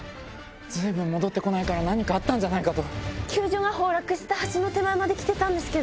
随分戻って来ないから何かあったんじゃないかと。